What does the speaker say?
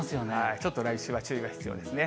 ちょっと来週は注意が必要ですね。